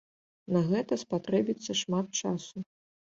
На гэта спатрэбіцца шмат часу.